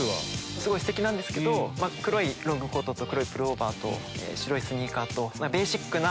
すごいステキなんですけど黒いロングコートとプルオーバー白いスニーカーとベーシックな。